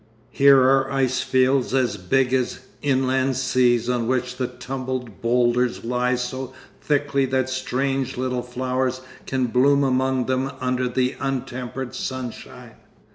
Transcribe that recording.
Here are icefields as big as inland seas on which the tumbled boulders lie so thickly that strange little flowers can bloom among them under the untempered sunshine.